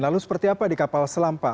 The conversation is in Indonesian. lalu seperti apa di kapal selam pak